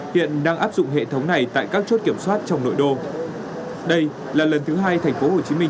hiện đang áp dụng hệ thống này tại các chốt kiểm soát trong nội đô đây là lần thứ hai thành phố hồ chí minh